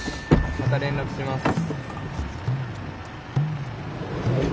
また連絡します。